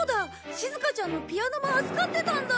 しずかちゃんのピアノも預かってたんだ。